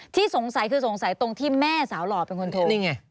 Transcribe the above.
ที่สงสัยคือสงสัยตรงที่แม่สาวหล่อเป็นคนโทรนี่ไง